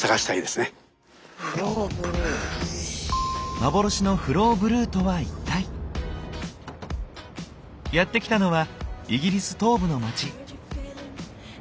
幻のフローブルーとは一体⁉やって来たのはイギリス東部の町。